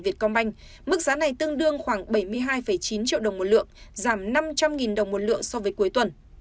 việt công banh mức giá này tương đương khoảng bảy mươi hai chín triệu đồng một lượng giảm năm trăm linh đồng một lượng so với cuối tuần